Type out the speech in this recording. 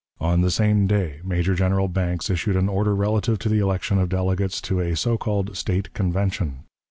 On the same day Major General Banks issued an order relative to the election of delegates to a so called State Convention.